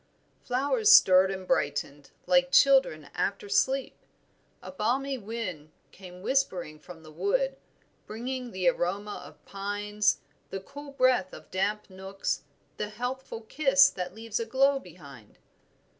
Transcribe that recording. Flowers stirred and brightened like children after sleep. A balmy wind came whispering from the wood, bringing the aroma of pines, the cool breath of damp nooks, the healthful kiss that leaves a glow behind.